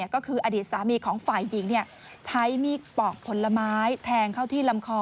ก็คืออดีตสามีของฝ่ายหญิงใช้มีดปอกผลไม้แทงเข้าที่ลำคอ